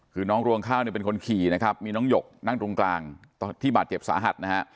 คือน้องรวงข้าวเนี่ยเป็นคนขี่นะครับมีน้องหยกนั่งตรงกลางตอนที่บาดเจ็บสาหัสนะฮะ